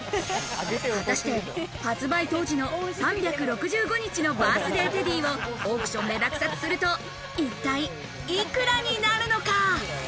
果たして発売当時の３６５日のバースデーテディをオークションで落札すると、一体幾らになるのか。